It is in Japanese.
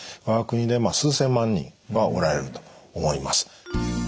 我が国でまあ数千万人はおられると思います。